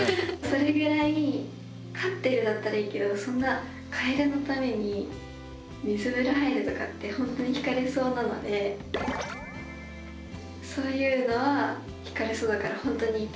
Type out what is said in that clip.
それぐらい飼ってるだったらいいけどそんなカエルのために水風呂入るとかって本当にひかれそうなのでそういうのはひかれそうだから本当に言ったことがなくって。